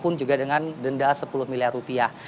mungkin juga dengan denda sepuluh miliar rupiah